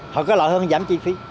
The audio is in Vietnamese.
họ có lợi hơn giảm chi phí